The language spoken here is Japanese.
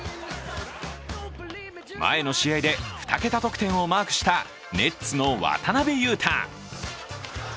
前の試合で２桁得点をマークしたネッツの渡邊雄太。